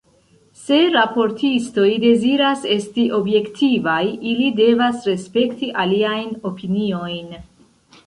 Se raportistoj deziras esti objektivaj, ili devas respekti aliajn opiniojn.